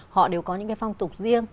họ đều có những cái phong tục riêng